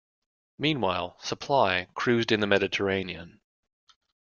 Meanwhile, "Supply" cruised in the Mediterranean.